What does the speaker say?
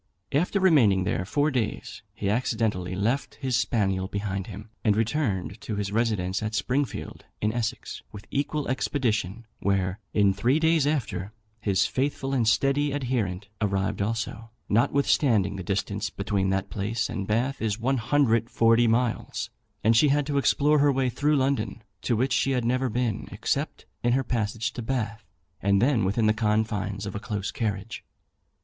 After remaining there four days, he accidentally left his spaniel behind him, and returned to his residence at Springfield, in Essex, with equal expedition; where, in three days after, his faithful and steady adherent arrived also, notwithstanding the distance between that place and Bath is 140 miles, and she had to explore her way through London, to which she had never been, except in her passage to Bath, and then within the confines of a close carriage.